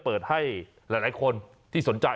ยืนยันว่าม่อข้าวมาแกงลิงทั้งสองชนิด